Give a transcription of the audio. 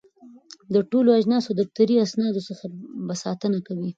د ټولو اجناسو او دفتري اسنادو څخه به ساتنه کوي.